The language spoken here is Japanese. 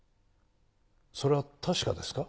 それは確かですか？